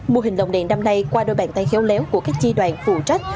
mô hình lồng đèn năm nay qua đôi bàn tay khéo léo của các chi đoạn phụ trách